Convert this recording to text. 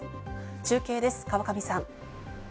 中継です、川上さん。